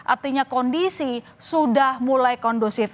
artinya kondisi sudah mulai kondusif